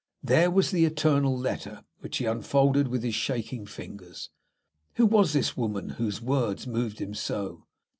There was the eternal letter which he unfolded with his shaking fingers. Who was this woman whose words moved him so?